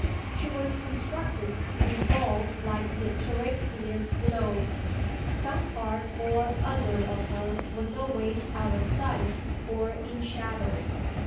She was constructed to revolve like the terraqueous globe; some part or other of her was always out of sight or in shadow.